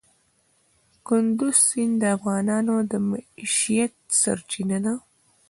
کندز سیند د افغانانو د معیشت سرچینه ده.